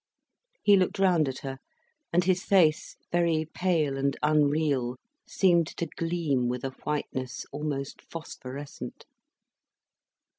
He looked round at her, and his face, very pale and unreal, seemed to gleam with a whiteness almost phosphorescent.